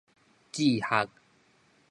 志學